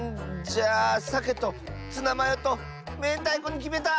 じゃあさけとツナマヨとめんたいこにきめた！